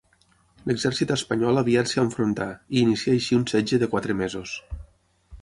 L'exèrcit espanyol aviat s'hi enfrontà, i inicià així un setge de quatre mesos.